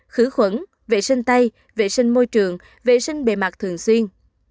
khử khuẩn vệ sinh tay vệ sinh môi trường vệ sinh bề mặt thường xuyên